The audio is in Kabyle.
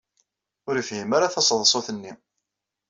Ur yefhim ara taseḍsut-nni.